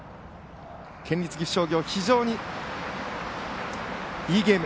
県立岐阜商業、非常にいいゲーム。